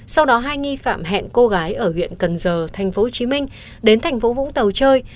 sau đó hai nghi phạm hẹn cô gái ở huyện cần giờ tp hcm đến tp hcm chơi